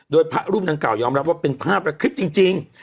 โดยพระรูปดังกล่ายอมรับว่าเป็นภาพและคลิปจริง